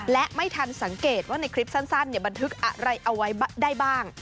และไม่ทันสังเกตว่าในคลิปสั้นบันทึกอะไรเอาไว้ได้บ้าง